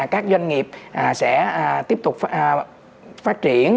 các doanh nghiệp sẽ tiếp tục phát triển